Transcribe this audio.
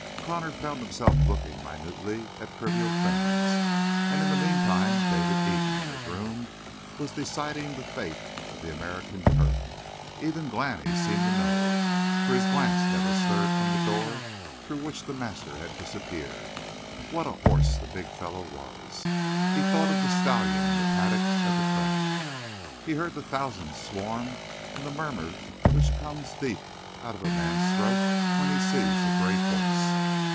Connor found himself looking minutely at trivial things, and in the meantime David Eden in his room was deciding the fate of the American turf. Even Glani seemed to know, for his glance never stirred from the door through which the master had disappeared. What a horse the big fellow was! He thought of the stallion in the paddock at the track. He heard the thousands swarm and the murmur which comes deep out of a man's throat when he sees a great horse.